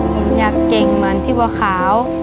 ผมอยากเก่งเหมือนพี่กว่าขาว